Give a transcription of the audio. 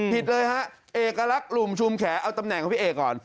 ผิดเลยฮะเอกลักษณ์หลุมชุมแขเอาตำแหน่งของพี่เอกก่อน